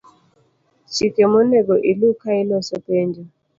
Chike monego ilu kailoso penjo.